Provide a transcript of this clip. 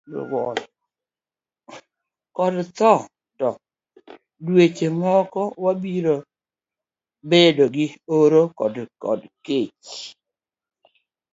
kod tho, to dweche moko mabiro wabiro bedo gi oro kod kech.